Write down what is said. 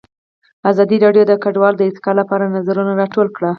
ازادي راډیو د کډوال د ارتقا لپاره نظرونه راټول کړي.